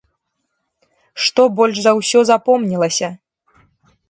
Што больш за ўсё запомнілася?